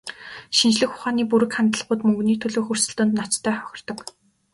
Шинжлэх ухааны бүрэг хандлагууд мөнгөний төлөөх өрсөлдөөнд ноцтой хохирдог.